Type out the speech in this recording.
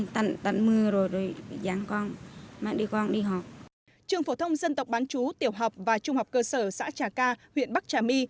trường phổ thông dân tộc bán chú tiểu học và trung học cơ sở xã trà ca huyện bắc trà my